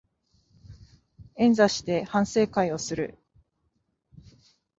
円座して反省会をする